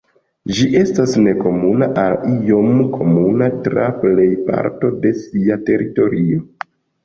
Ĝi estas nekomuna al iom komuna tra plej parto de sia teritorio.